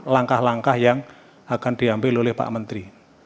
langkah langkah yang akan diambil oleh pak menteri